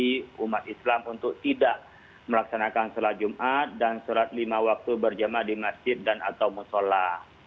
bagi umat islam untuk tidak melaksanakan sholat jumat dan sholat lima waktu berjamaah di masjid dan atau musola